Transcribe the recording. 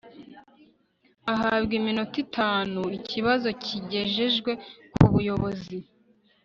ahabwa iminota itanu ikibazo kigejejwe kubuyobozi